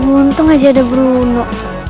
untung aja ada bruno